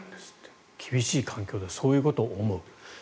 厳しい環境でそういうことを思う。